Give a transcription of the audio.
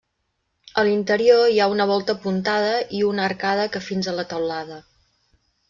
A l'interior hi ha una volta apuntada i una arcada que fins a la teulada.